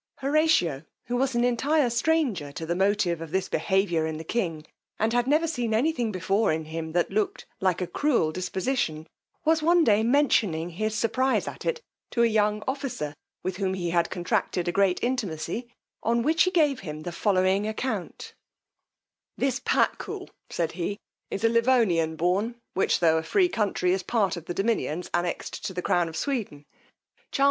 Horatio, who was an entire stranger to the motive of this behaviour in the king, and had never seen any thing before in him that looked like a cruel disposition, was one day mentioning his surprize at it to a young officer with whom he had contracted a great intimacy, on which he gave him the following account: This Patkul, said he, is a Livonian born, which, tho' a free country, is part of the dominions annexed to the crown of Sweden: Charles XI.